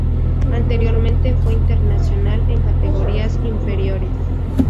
Anteriormente fue internacional en categorías inferiores.